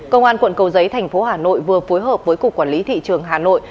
công an quận cầu giấy tp hà nội vừa phối hợp với cục quản lý thị trường hà nội